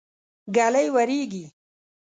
ږلۍ وريږي.